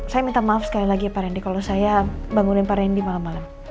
saya minta maaf sekali lagi ya pak rendy kalau saya bangunin pak rendy malem malem